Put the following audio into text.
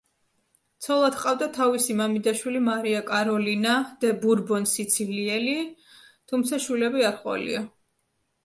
ცოლად ჰყავდა თავისი მამიდაშვილი მარია კაროლინა დე ბურბონ-სიცილიელი, თუმცა შვილები არ ჰყოლია.